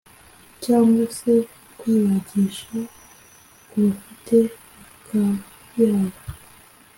cyangwa se kwibagisha (ku bafite akayabo)